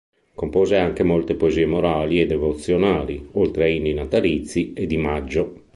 Compose anche molte poesie morali e devozionali, oltre a inni natalizi e "di maggio".